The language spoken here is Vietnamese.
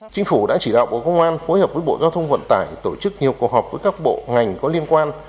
chính phủ đã chỉ đạo bộ công an phối hợp với bộ giao thông vận tải tổ chức nhiều cuộc họp với các bộ ngành có liên quan